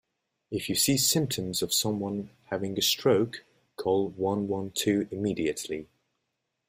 If you see symptoms of someone having a stroke call one-one-two immediately.